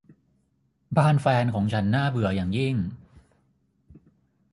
บ้านแฟนของฉันน่าเบื่ออย่างยิ่ง